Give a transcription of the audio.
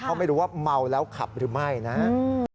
เพราะไม่รู้ว่าเมาแล้วขับหรือไม่นะครับ